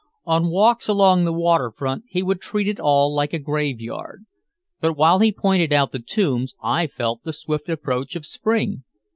On walks along the waterfront he would treat it all like a graveyard. But while he pointed out the tombs I felt the swift approach of Spring.